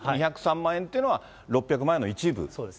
２０３万円というのは６００万円の一部。